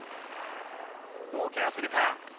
どうケアするか。